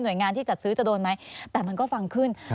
โดยงานที่จัดซื้อจะโดนไหมแต่มันก็ฟังขึ้น